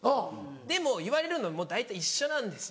でも言われるのもう大体一緒なんですよ。